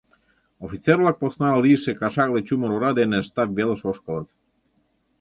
Офицер-влак посна лийше кашакле чумыр ора дене штаб велыш ошкылыт.